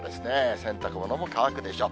洗濯物も乾くでしょう。